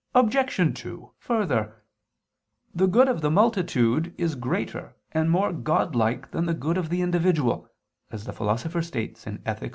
Obj. 2: Further, "The good of the multitude is greater and more godlike than the good of the individual," as the Philosopher states (Ethic.